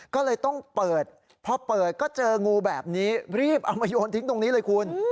ก็เลยต้องเปิดพอเปิดก็เจองูแบบนี้รีบเอามาโยนทิ้งตรงนี้เลยคุณ